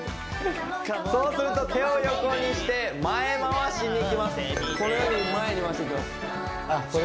そうすると手を横にして前回しにいきます